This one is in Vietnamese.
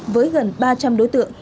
với gần ba trăm linh đối tượng